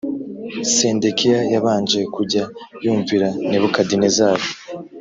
Sedekiya yabanje kujya yumvira Nebukadinezari